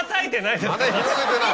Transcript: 羽広げてない。